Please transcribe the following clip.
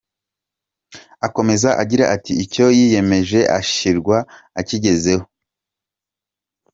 Akomeza agira ati “icyo yiyemeje, ashirwa akigezeho”.